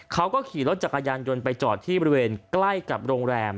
เขาก็ขี่รถจักรยานยนต์ไปจอดที่บริเวณใกล้กับโรงแรม